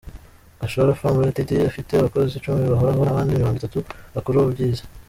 Gashora Farm Ltd ifite abakozi icumi bahoraho n’abandi mirongo itatu bakora bubyizi.